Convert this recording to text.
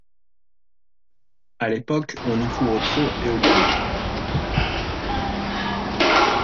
À l'époque on y court au trot et au galop.